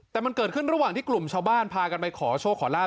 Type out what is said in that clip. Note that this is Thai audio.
แต่มันเกิดขึ้นระหว่างที่กลุ่มชาวบ้านพากันไปขอโชคขอลาบ